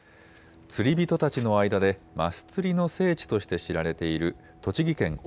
釣り人たちの間でマス釣りの聖地として知られている栃木県奥